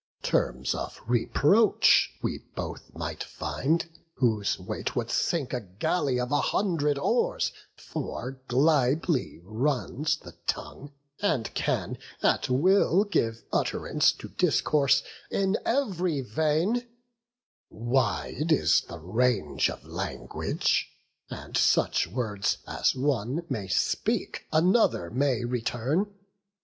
Terms of reproach we both might find, whose weight Would sink a galley of a hundred oars; For glibly runs the tongue, and can at will Give utt'rance to discourse in ev'ry vein; Wide is the range of language; and such words As one may speak, another may return.